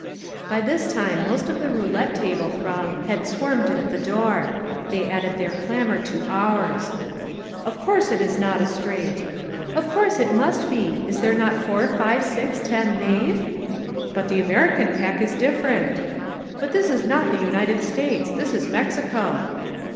By this time most of the roulette table throng had swarmed in at the door. They added their clamor to ours. "Of course it is not a straight!" "Of course it must be! Is there not four, five, six, ten, knave?" "But the American pack is different!" "But this is not the United States. This is Mex ico